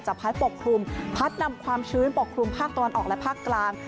พัดปกคลุมพัดนำความชื้นปกคลุมภาคตะวันออกและภาคกลาง